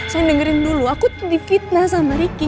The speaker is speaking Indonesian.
sayang dengerin dulu aku tuh di fitnah sama ricky